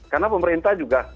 karena pemerintah juga